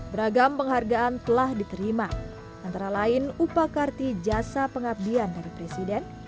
beragam penghargaan telah diterima antara lain upakarti jasa pengabdian dari presiden